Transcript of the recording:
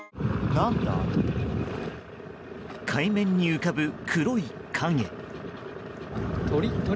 海面に浮かぶ黒い影。